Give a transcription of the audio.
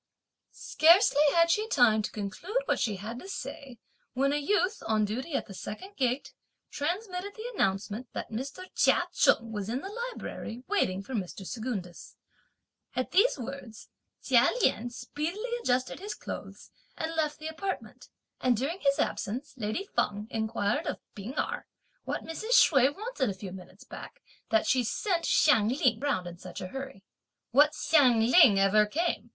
Scarcely had she time to conclude what she had to say when a youth, on duty at the second gate, transmitted the announcement that Mr. Chia Cheng was in the Library waiting for Mr. Secundus. At these words, Chia Lien speedily adjusted his clothes, and left the apartment; and during his absence, lady Feng inquired of P'ing Erh what Mrs. Hsüeh wanted a few minutes back, that she sent Hsiang Ling round in such a hurry. "What Hsiang Ling ever came?"